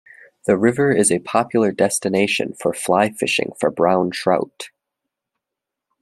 The river is a popular destination for fly fishing for brown trout.